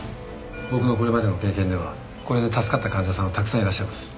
僕のこれまでの経験ではこれで助かった患者さんはたくさんいらっしゃいます。